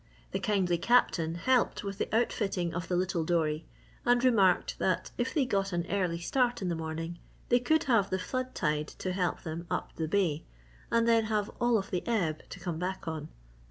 The kindly Captain helped with the outfitting of the little dory, and remarked that if they got an early start in the morning they could have the flood tide to help them up the bay and then have all of the ebb to come back on.